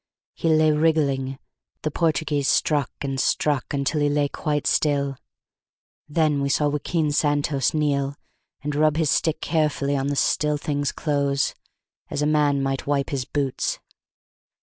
He lay wriggling; the Portuguese struck and struck until he lay quite still; then we saw Joaquin Santos kneel, and rub his stick carefully on the still thing's clothes, as a man might wipe his boots.